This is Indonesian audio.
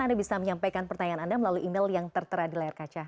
anda bisa menyampaikan pertanyaan anda melalui email yang tertera di layar kaca